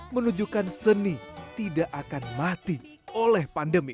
menunjukkan seni tidak akan mati oleh pandemi